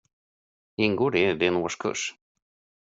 Ingår det i din årskurs?